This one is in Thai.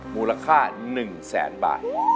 มูลค่าหนึ่งแสนบาท